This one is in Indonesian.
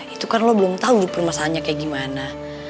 itu kan lo belum tau dipermasannya kayak gimana